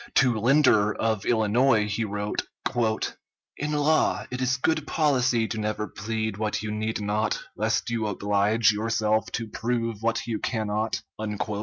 To Linder, of Illinois, he wrote: "In law, it is good policy to never plead what you need not, lest you oblige yourself to prove what you cannot."